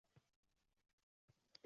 Vazirlarning fikri faqat